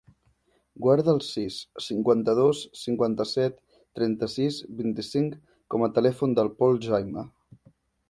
Guarda el sis, cinquanta-dos, cinquanta-set, trenta-sis, vint-i-cinc com a telèfon del Pol Jaime.